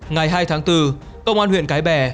ngày hai tháng bốn công an huyện cái bè